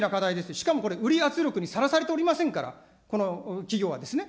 しかもこれ、売り圧力にさらされておりませんから、この企業はですね。